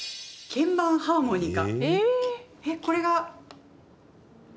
鍵盤ハーモニカ。